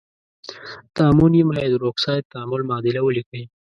د امونیم هایدرواکساید تعامل معادله ولیکئ.